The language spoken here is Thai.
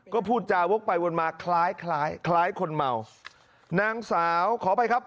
ก็พูดจาวกไปวนมาคล้ายคล้ายคล้ายคนเมานางสาวขออภัยครับ